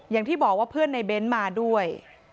อย่างที่บอกว่าเพื่อนในเบ้นมาด้วย